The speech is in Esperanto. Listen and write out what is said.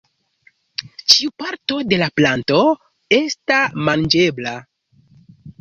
Ĉiu parto de la planto esta manĝebla.